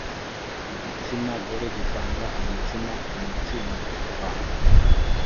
igitsina gore gitanga agatsima kumatsinda yabantu